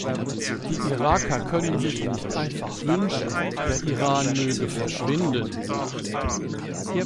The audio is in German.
Die Iraker können sich nicht einfach wünschen, der Iran möge verschwinden.